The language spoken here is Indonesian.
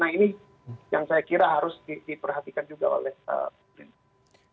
nah ini yang saya kira harus diperhatikan juga oleh pemerintah